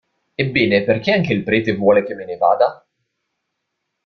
Ebbene, perché anche il prete vuole che me ne vada?